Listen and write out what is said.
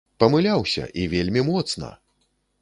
Памыляўся і вельмі моцна!